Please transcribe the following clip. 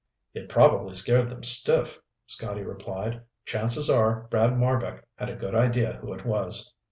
"It probably scared them stiff," Scotty replied. "Chances are Brad Marbek had a good idea who it was."